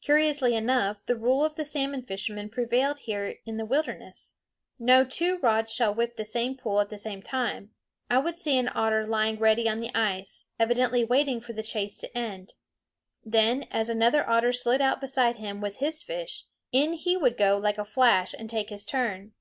Curiously enough, the rule of the salmon fishermen prevailed here in the wilderness: no two rods shall whip the same pool at the same time. I would see an otter lying ready on the ice, evidently waiting for the chase to end. Then, as another otter slid out beside him with his fish, in he would go like a flash and take his turn.